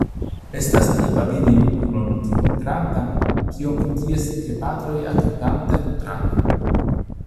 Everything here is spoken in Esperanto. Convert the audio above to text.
Estas tipa vidi junulon tiom grandan kiom ties gepatroj atendante nutradon.